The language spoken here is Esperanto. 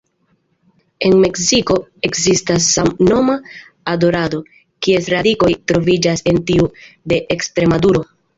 En Meksiko ekzistas samnoma adorado, kies radikoj troviĝas en tiu de Ekstremaduro.